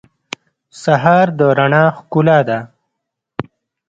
سهار د رڼا ښکلا ده.